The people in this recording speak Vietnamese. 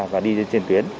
và đi trên tuyến